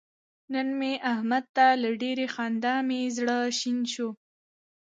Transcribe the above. نن مې احمد ته له ډېرې خندا مې زره شنه شوله.